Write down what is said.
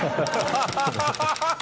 ハハハハ！